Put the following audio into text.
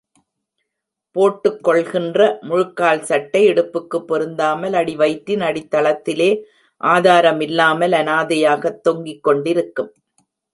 போட்டுக் கொள்கின்ற முழுகால் சட்டை இடுப்புக்குப் பொருந் தாமல், அடிவயிற்றின் அடித் தளத்திலே ஆதாரமில்லாமல், அனாதையாகத் தொங்கிக்கொண்டிருக்கும்.